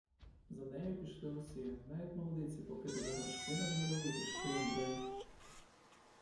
За нею пішли усі; навіть молодиці покидали горшки на жару й пішли у млин.